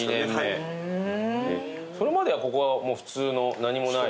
それまではここは普通の何もない。